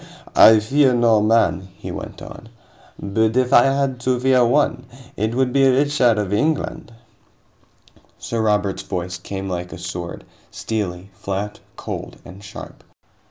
"I fear no man," he went on, "but if I had to fear one, it would be Richard of England." Sir Robert's voice came like a sword: steely, flat, cold, and sharp.